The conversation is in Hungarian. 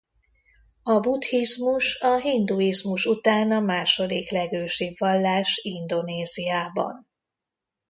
A buddhizmus a hinduizmus után a második legősibb vallás Indonéziában.